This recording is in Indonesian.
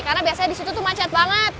karena biasanya di situ tuh macet banget